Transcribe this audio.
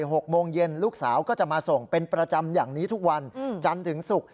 หกโมงเย็นลูกสาวก็จะมาส่งเป็นประจำอย่างนี้ทุกวันจันทร์ถึงศุกร์